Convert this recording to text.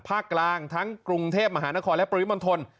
ภาคกลางทั้งกรุงเทพมหานครและปริมณฑล